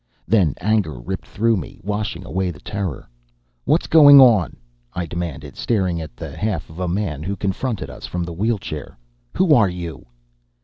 Then anger ripped through me, washing away the terror. "What's going on?" I demanded, staring at the half of a man who confronted us from the wheelchair. "Who are you?"